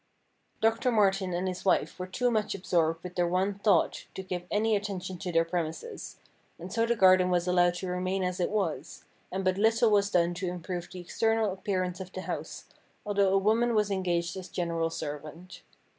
Doctor Martin and his wife were too much absorbed with their one thought to give any attention to their premises, and so the garden was allowed to remain as it was, and but little was done to improve the external appearance of the house, although a woman was engaged as general servant.